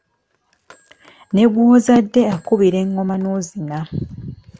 Ne gw’ozadde akukubira engoma n’ozina.